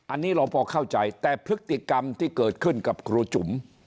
อันนี้เราพอเข้าใจแต่พฤติกรรมที่เกิดขึ้นกับครูจุ๋ม